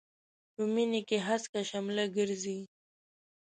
په مينې کې هسکه شمله ګرځي.